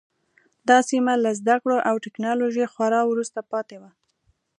دا سیمه له زده کړو او ټکنالوژۍ خورا وروسته پاتې وه.